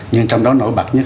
nhưng trong đó nổi bật nhất